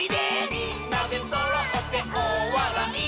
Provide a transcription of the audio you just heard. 「みんなでそろっておおわらい」